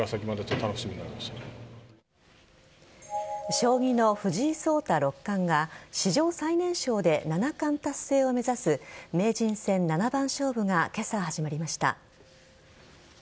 将棋の藤井聡太六冠が史上最年少で七冠達成を目指す名人戦七番勝負が今朝、始まりました。